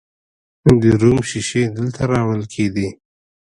د روم شیشې دلته راوړل کیدې